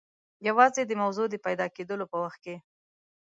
یوازې د موضوع د پیدا کېدلو په وخت کې.